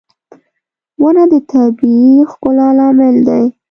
• ونه د طبيعي ښکلا لامل دی.